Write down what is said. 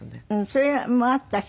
それもあったし